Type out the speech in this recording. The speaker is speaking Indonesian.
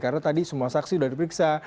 karena tadi semua saksi sudah diperiksa